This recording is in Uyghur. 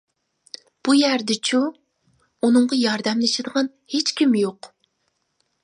بۇ يەردىچۇ؟ ئۇنىڭغا ياردەملىشىدىغان ھېچكىم يوق.